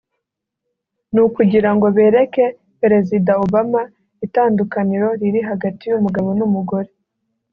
ni ukugira ngo bereke Perezida Obama itandukaniro riri hagati y’umugabo n’umugore